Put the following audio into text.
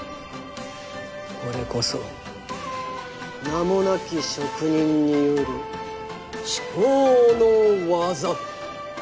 これこそ名もなき職人による至高の技。